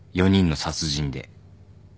４人の殺人で。